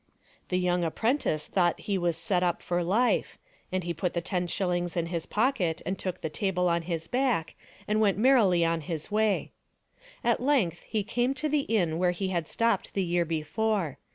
The young apprentice thought he was set up for life, and he put the ten shillings in his pocket and took the table on his back and went merrily on his way. At length he came to the inn where he had stopped the year before.